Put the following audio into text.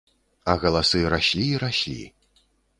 А галасы раслі і раслі.